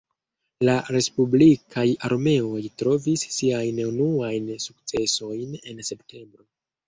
La respublikaj armeoj trovis siajn unuajn sukcesojn en septembro.